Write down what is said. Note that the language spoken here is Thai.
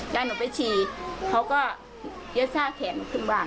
แล้วหนูไปฉี่เขาก็เย็ดซากแขนหนูขึ้นบ้าน